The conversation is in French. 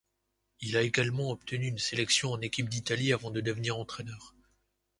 Il a également obtenu une sélection en équipe d'Italie avant de devenir entraîneur.